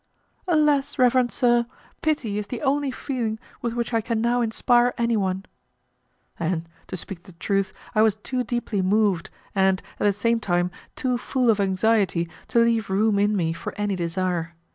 "Alas! reverend sir, pity is the only feeling with which I can now inspire anyone." And, to speak the truth I was too deeply moved, and, at the same time, too full of anxiety, to leave room in me for any desire.